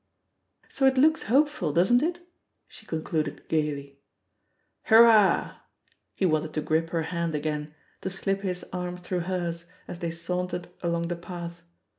"So it looks hopeful, doesn't it?'* she concluded gaily "Hurrah 1" He wanted to grip her hand again, to slip his arm through hers, as they saun tered along the path.